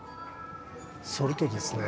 それとですね